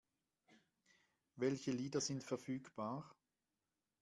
Welche Lieder sind verfügbar?